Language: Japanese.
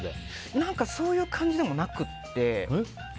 何か、そういう感じでもなくて。